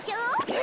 え！